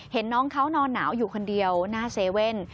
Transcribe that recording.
เห็นน้องเขานอนหนาวอยู่คนเดียวหน้าเซเว่น